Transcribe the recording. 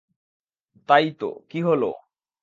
তাই তো, কী হল!